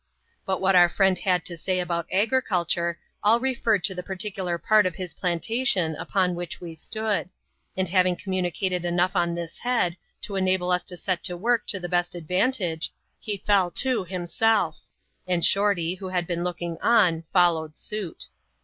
But what our firiend had to say about agriculture, all referred to the particular part of h\s plantation upon which we stood; and having commumcated enough on this head, to enable us to set to work to the best advantage, he fell to himself; and Shorty, who had been look ing on, followed suit.